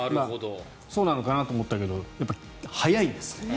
そうなのかなと思ったけどやっぱり早いです。